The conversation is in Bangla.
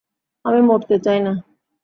আমি মরতে চাই না!